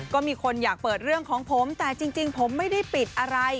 ก็มีคนอยากเปิดเรื่องของผมแต่จริงผมไม่ได้ปิดอะไร